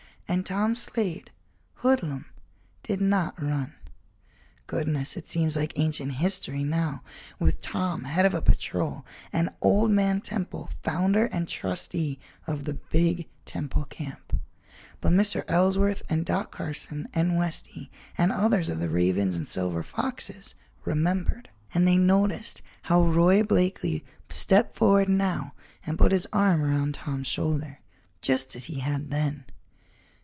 And Tom Slade, hoodlum, did not run. Goodness, it seems like ancient history now, with Tom head of a patrol and "Old Man" Temple founder and trustee of the big Temple Camp! But Mr. Ellsworth and Doc Carson and Westy and others of the Ravens and Silver Foxes, remembered, and they noticed how Roy Blakeley stepped forward now and put his arm over Tom's shoulder, just as he had then.